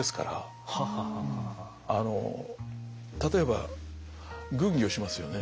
あの例えば軍議をしますよね。